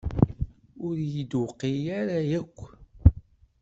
Ur iyi-d-tewqiɛ ara akk.